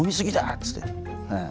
っつって。